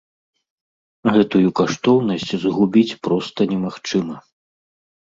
Гэтую каштоўнасць згубіць проста немагчыма.